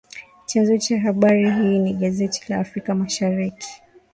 Chanzo cha habari hii ni gazeti la “Afrika Mashariki.”